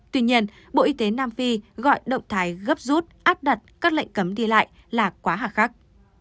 tuy nhiên bộ y tế nam phi gọi động thái gấp rút áp đặt các lệnh cấm đi lại là quá hạ khắc